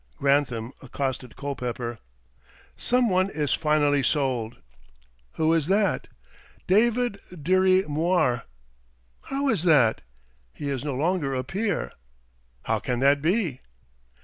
Grantham accosted Colepepper. "Some one is finely sold." "Who is that?" "David Dirry Moir." "How is that?" "He is no longer a peer." "How can that be?"